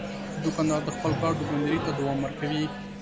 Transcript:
دوکاندار د خپل پلار دوکانداري ته دوام ورکوي.